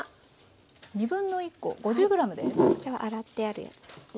これは洗ってあるやつですね。